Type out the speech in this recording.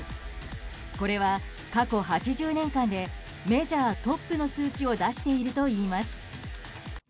これは過去８０年間でメジャートップの数値を出しているといいます。